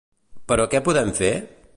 Però què podem fer?